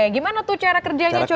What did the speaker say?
gimana tuh cara kerjanya coba